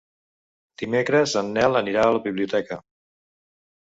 Dimecres en Nel anirà a la biblioteca.